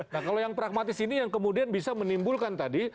nah kalau yang pragmatis ini yang kemudian bisa menimbulkan tadi